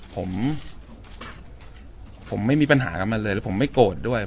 ผมผมไม่มีปัญหากับมันเลยแล้วผมไม่โกรธด้วย